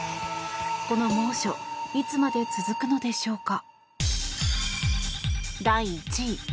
この猛暑いつまで続くのでしょうか。